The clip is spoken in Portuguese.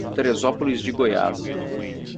Terezópolis de Goiás